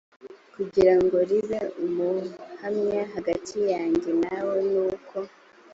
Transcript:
kugira ngo ribe umuhamya hagati yanjye nawe nuko